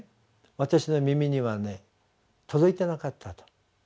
私の耳にはね届いてなかったと。